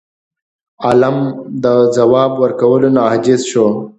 عالم د ځواب ورکولو نه عاجز شو.